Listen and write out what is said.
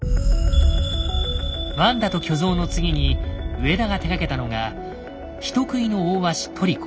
「ワンダと巨像」の次に上田が手がけたのが「人喰いの大鷲トリコ」。